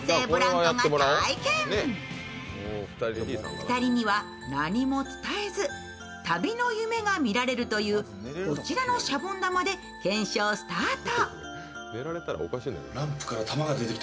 ２人には何も伝えず、旅の夢が見られるというこちらのシャボン玉で検証スタート。